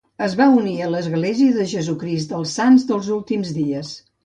Es va unir a l'Església de Jesucrist dels Sants dels Últims Dies.